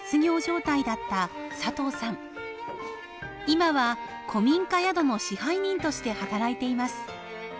今は古民家宿の支配人として働いています。